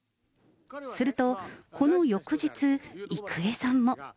すると、この翌日、郁恵さんも。